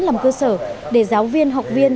làm cơ sở để giáo viên học viên